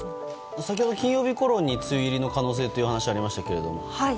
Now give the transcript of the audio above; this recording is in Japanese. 先ほど、金曜日ころに梅雨入りの可能性というお話がありましたけれども。